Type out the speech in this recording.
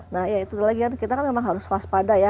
nah itu lagi kan kita memang harus waspada ya